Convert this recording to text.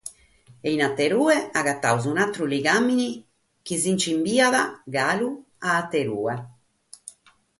E in aterue agatamus un’àteru ligàmene chi nos nch’imbiat galu a aterue.